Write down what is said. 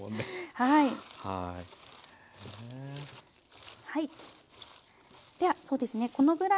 はい。